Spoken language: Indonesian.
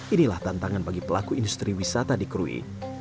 inilah tantangan bagi pelaku industri wisata di krui